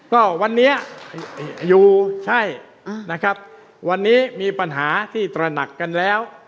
ก็วันนี้อยู่ใช่นะครับวันนี้มีปัญหาที่ตระหนักกันแล้ว